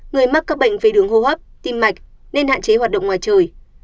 người mắc các bệnh về đường hô hấp tim mạch nên hạn chế hoạt động ngoài trời